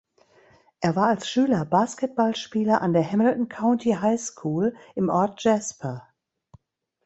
Er war als Schüler Basketballspieler an der Hamilton County High School im Ort Jasper.